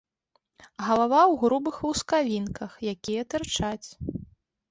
Галава ў грубых лускавінках, якія тырчаць.